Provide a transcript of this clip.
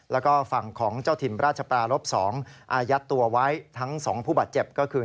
แล้วก็ฝั่งของเจ้าถิ่นราชปรารบ๒อายัดตัวไว้ทั้ง๒ผู้บาดเจ็บก็คือ